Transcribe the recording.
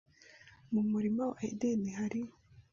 Mu murima wa Edeni hari